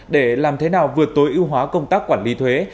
để làm thế nào vừa tối ưu hóa công tác quản lý thuế